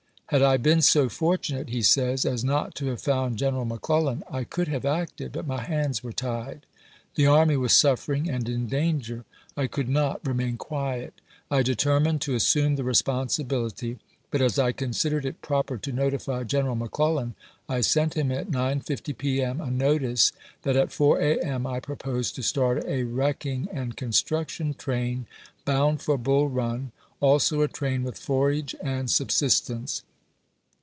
" Had I been so fortunate," he says, " as not to have found General McClellan, I could have acted, but my hands were tied. The army was suftering and in danger; I could not remain quiet. I determined to assume the respon sibility, but as I considered it proper to notify G eneral McClellan,! sent him at 9:50 p.m. a notice that at 4 A. M. I proposed to start a wrecking and construction train bound for Bull Run, also a train with forage and subsistence.